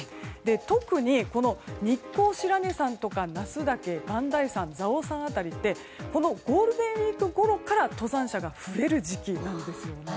特に日光白根山とか那須岳、磐梯山蔵王山辺りってこのゴールデンウィークごろから登山者が増える時期なんです。